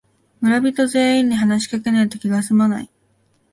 村人全員に話しかけないと気がすまない